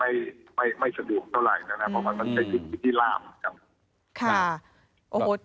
มันอาจจะไม่สะดวกเท่าไหร่ใช้ที่ลาม